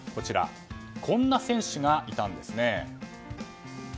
こんな選手がいたんです。